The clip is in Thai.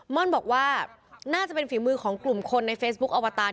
่อนบอกว่าน่าจะเป็นฝีมือของกลุ่มคนในเฟซบุ๊คอวตาร